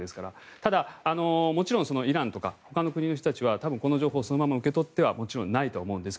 ただ、もちろんイランとかほかの国の人たちはこの情報をそのまま受け取ってはないと思いますが